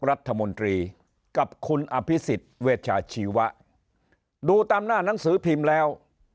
รัฐมนตรีกับคุณอภิษฎเวชาชีวะดูตามหน้านังสือพิมพ์แล้ว